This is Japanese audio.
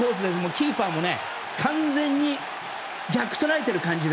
キーパーも完全に逆をとられている感じで。